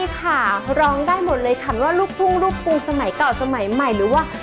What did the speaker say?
อยากจะรู้นะคะว่าหนูจะคว้าเงินล้านได้หรือเปล่า